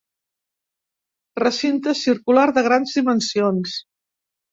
Recinte circular de grans dimensions.